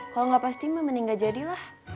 kalau gak pasti mending gak jadilah